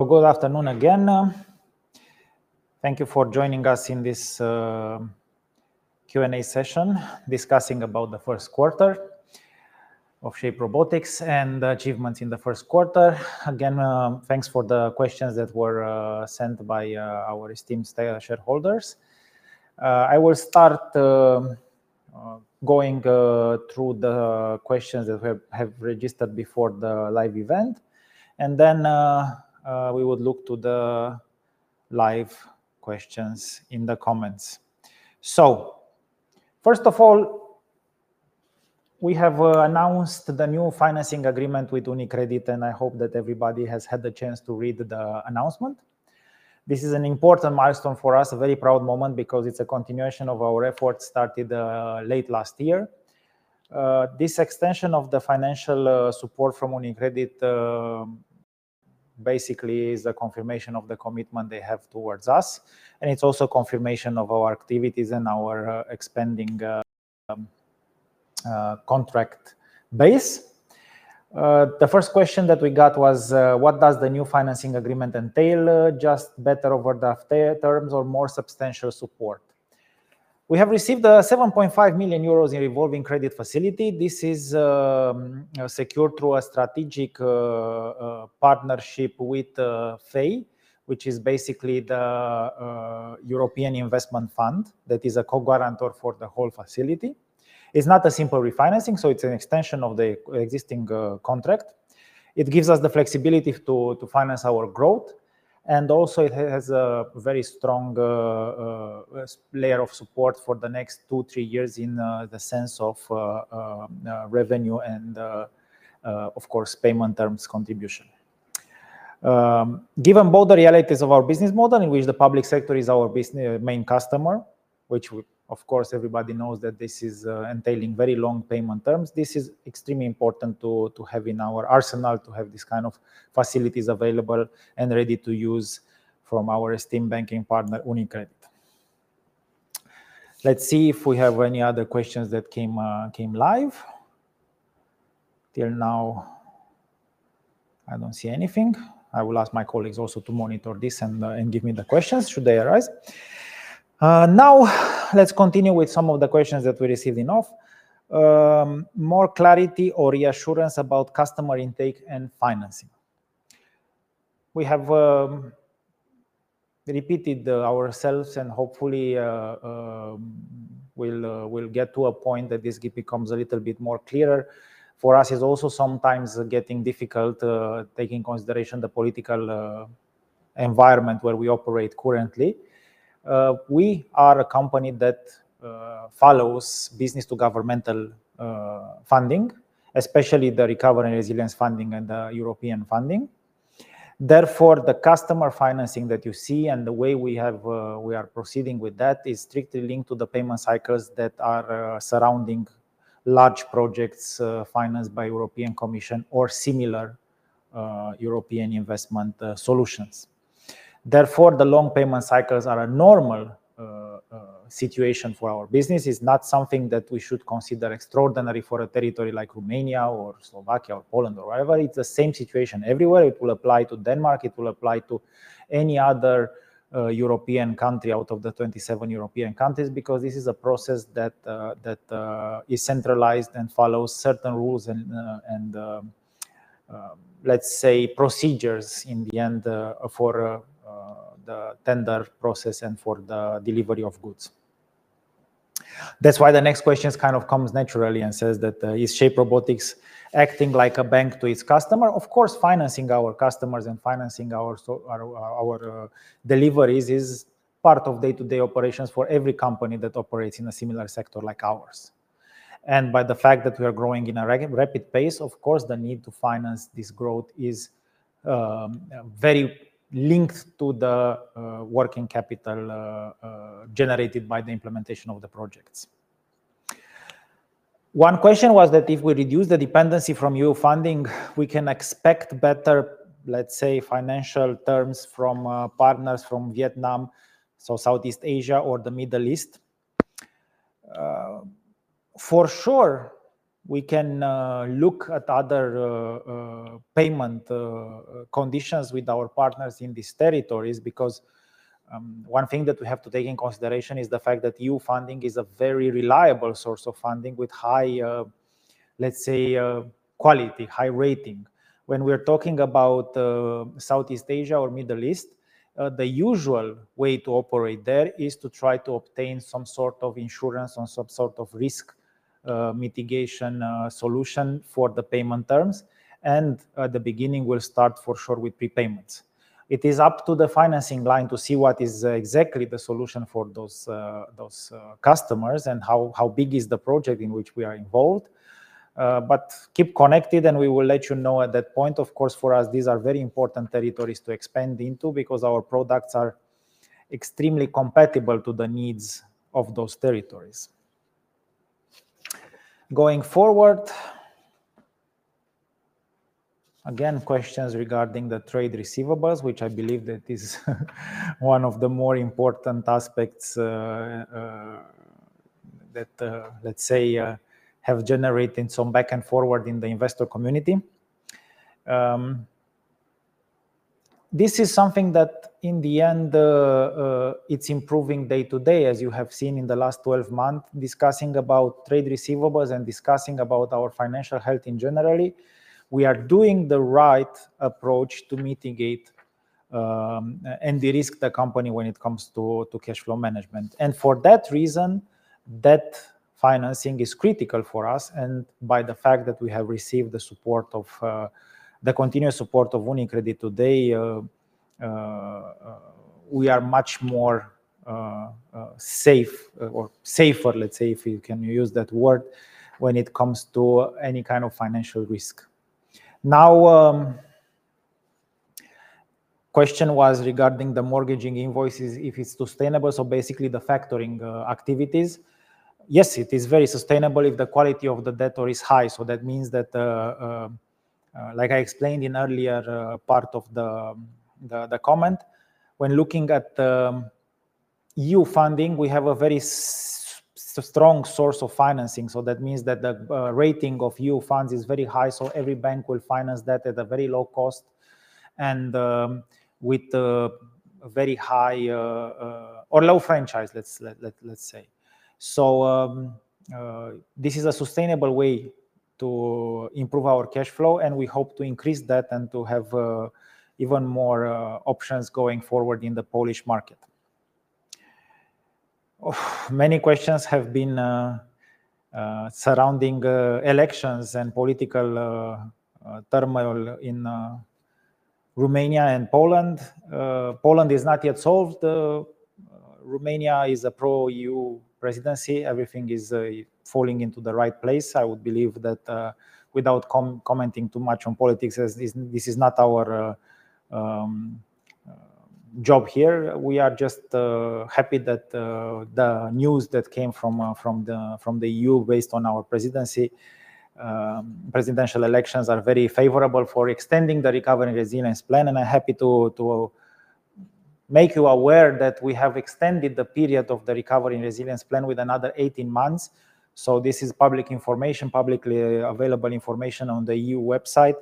Good afternoon again. Thank you for joining us in this Q&A session discussing the first quarter of Shape Robotics and achievements in the first quarter. Again, thanks for the questions that were sent by our esteemed shareholders. I will start going through the questions that have registered before the live event, and then we will look to the live questions in the comments. First of all, we have announced the new financing agreement with UniCredit, and I hope that everybody has had the chance to read the announcement. This is an important milestone for us, a very proud moment because it is a continuation of our efforts started late last year. This extension of the financial support from UniCredit basically is a confirmation of the commitment they have towards us, and it is also a confirmation of our activities and our expanding contract base. The first question that we got was, what does the new financing agreement entail? Just better over the terms or more substantial support? We have received 7.5 million euros in revolving credit facility. This is secured through a strategic partnership with the EIF, which is basically the European Investment Fund that is a co-guarantor for the whole facility. It's not a simple refinancing, so it's an extension of the existing contract. It gives us the flexibility to finance our growth, and also it has a very strong layer of support for the next two, three years in the sense of revenue and, of course, payment terms contribution. Given both the realities of our business model in which the public sector is our main customer, which of course everybody knows that this is entailing very long payment terms, this is extremely important to have in our arsenal to have this kind of facilities available and ready to use from our esteemed banking partner, UniCredit. Let's see if we have any other questions that came live. Until now, I don't see anything. I will ask my colleagues also to monitor this and give me the questions should they arise. Now, let's continue with some of the questions that we received in off. More clarity or reassurance about customer intake and financing. We have repeated ourselves, and hopefully we'll get to a point that this becomes a little bit more clearer. For us, it's also sometimes getting difficult taking into consideration the political environment where we operate currently. We are a company that follows business-to-governmental funding, especially the Recovery and Resilience funding and the European funding. Therefore, the customer financing that you see and the way we are proceeding with that is strictly linked to the payment cycles that are surrounding large projects financed by the European Commission or similar European investment solutions. Therefore, the long payment cycles are a normal situation for our business. It's not something that we should consider extraordinary for a territory like Romania or Slovakia or Poland or wherever. It's the same situation everywhere. It will apply to Denmark. It will apply to any other European country out of the 27 European countries because this is a process that is centralized and follows certain rules and, let's say, procedures in the end for the tender process and for the delivery of goods. That's why the next question kind of comes naturally and says that, is Shape Robotics acting like a bank to its customer? Of course, financing our customers and financing our deliveries is part of day-to-day operations for every company that operates in a similar sector like ours. By the fact that we are growing at a rapid pace, of course, the need to finance this growth is very linked to the working capital generated by the implementation of the projects. One question was that if we reduce the dependency from EU funding, we can expect better, let's say, financial terms from partners from Vietnam, Southeast Asia, or the Middle East. For sure, we can look at other payment conditions with our partners in these territories because one thing that we have to take into consideration is the fact that EU funding is a very reliable source of funding with high, let's say, quality, high rating. When we are talking about Southeast Asia or Middle East, the usual way to operate there is to try to obtain some sort of insurance on some sort of risk mitigation solution for the payment terms. In the beginning, we will start for sure with prepayments. It is up to the financing line to see what is exactly the solution for those customers and how big is the project in which we are involved. Keep connected, and we will let you know at that point. Of course, for us, these are very important territories to expand into because our products are extremely compatible to the needs of those territories. Going forward, again, questions regarding the trade receivables, which I believe that is one of the more important aspects that, let's say, have generated some back and forward in the investor community. This is something that in the end, it's improving day to day, as you have seen in the last 12 months discussing about trade receivables and discussing about our financial health in general. We are doing the right approach to mitigate and de-risk the company when it comes to cash flow management. For that reason, that financing is critical for us. By the fact that we have received the support of the continuous support of UniCredit today, we are much more safe or safer, let's say, if you can use that word, when it comes to any kind of financial risk. The question was regarding the mortgaging invoices, if it's sustainable. Basically, the factoring activities, yes, it is very sustainable if the quality of the debtor is high. That means that, like I explained in earlier part of the comment, when looking at EU funding, we have a very strong source of financing. That means that the rating of EU funds is very high. Every bank will finance that at a very low cost and with a very high or low franchise, let's say. This is a sustainable way to improve our cash flow, and we hope to increase that and to have even more options going forward in the Polish market. Many questions have been surrounding elections and political turmoil in Romania and Poland. Poland is not yet solved. Romania is a pro-EU presidency. Everything is falling into the right place. I would believe that without commenting too much on politics, this is not our job here. We are just happy that the news that came from the EU based on our presidency presidential elections are very favorable for extending the Recovery and Resilience Plan. I am happy to make you aware that we have extended the period of the Recovery and Resilience plan with another 18 months. This is public information, publicly available information on the EU website.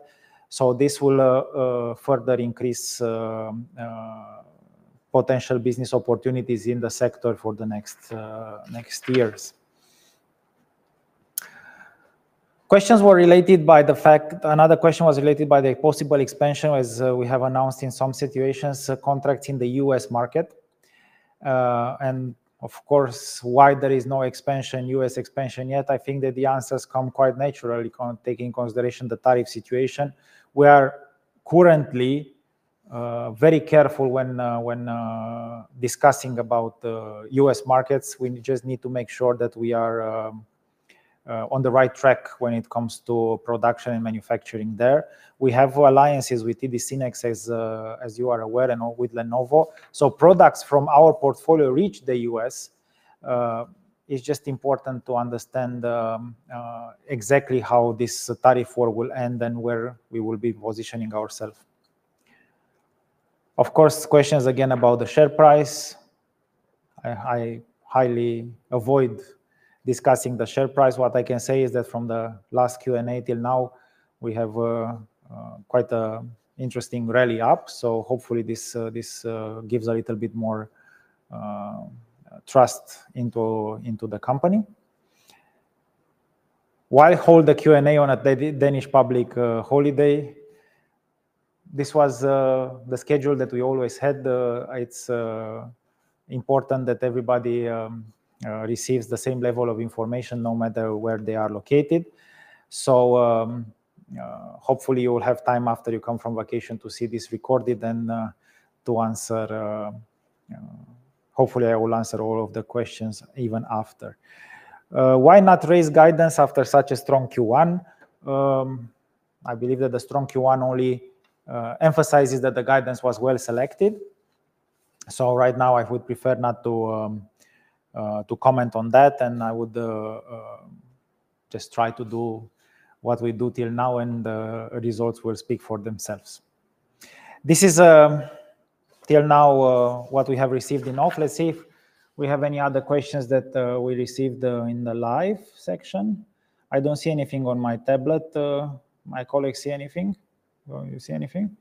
This will further increase potential business opportunities in the sector for the next years. Questions were related by the fact another question was related by the possible expansion, as we have announced in some situations, contracts in the U.S. market. Of course, why there is no expansion, U.S. expansion yet? I think that the answers come quite naturally taking into consideration the tariff situation. We are currently very careful when discussing about U.S. markets. We just need to make sure that we are on the right track when it comes to production and manufacturing there. We have alliances with TD Synnex, as you are aware, and with Lenovo. Products from our portfolio reach the U.S. It's just important to understand exactly how this tariff war will end and where we will be positioning ourselves. Of course, questions again about the share price. I highly avoid discussing the share price. What I can say is that from the last Q&A till now, we have quite an interesting rally up. Hopefully this gives a little bit more trust into the company. While holding the Q&A on a Danish public holiday, this was the schedule that we always had. It is important that everybody receives the same level of information no matter where they are located. Hopefully you will have time after you come from vacation to see this recorded and to answer. Hopefully, I will answer all of the questions even after. Why not raise guidance after such a strong Q1? I believe that the strong Q1 only emphasizes that the guidance was well selected. Right now, I would prefer not to comment on that, and I would just try to do what we do till now, and the results will speak for themselves. This is till now what we have received in off. Let's see if we have any other questions that we received in the live section. I do not see anything on my tablet. My colleagues, see anything? You see anything?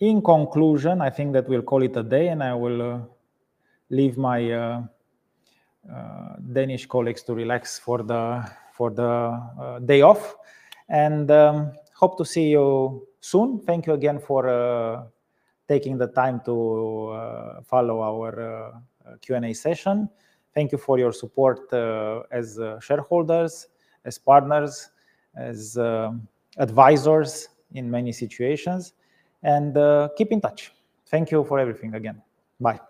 In conclusion, I think that we will call it a day, and I will leave my Danish colleagues to relax for the day off and hope to see you soon. Thank you again for taking the time to follow our Q&A session. Thank you for your support as shareholders, as partners, as advisors in many situations, and keep in touch. Thank you for everything again. Bye.